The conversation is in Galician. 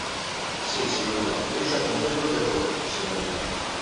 Si, señoría, eu xa comprendo de todo, señoría.